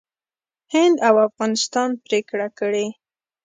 هند او افغانستان پرېکړه کړې